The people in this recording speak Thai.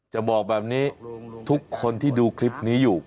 จะบอกแบบนี้ทุกคนที่ดูคลิปนี้อยู่